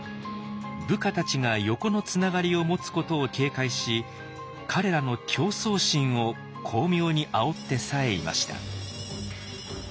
部下たちが横のつながりを持つことを警戒し彼らの競争心を巧妙にあおってさえいました。